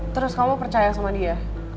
terus kamu percaya sama dia